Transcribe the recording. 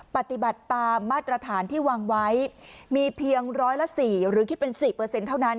ปฏิบัติตามมาตรฐานที่วางไว้มีเพียงร้อยละ๔หรือคิดเป็น๔เท่านั้น